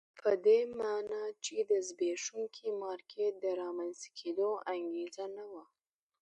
دا په دې معنی چې د زبېښونکي مارکېټ د رامنځته کېدو انګېزه نه وه.